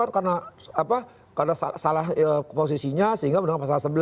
karena salah posisinya sehingga menang pasal sebelas